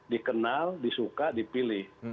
dikenal disuka dipilih